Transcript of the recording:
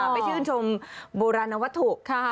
ไปชื่นชมโบราณวัตถุ